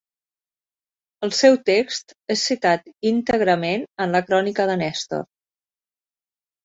El seu text és citat íntegrament en la Crònica de Nèstor.